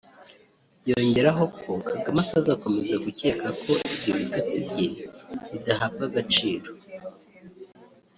yongeraho ko Kagame atazakomeza gukeka ko ibyo bitutsi bye bidahabwa agaciro